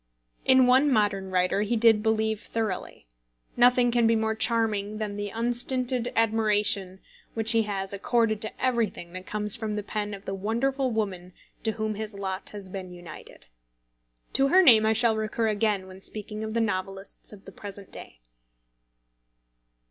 In one modern writer he did believe thoroughly. Nothing can be more charming than the unstinted admiration which he has accorded to everything that comes from the pen of the wonderful woman to whom his lot has been united. To her name I shall recur again when speaking of the novelists of the present day.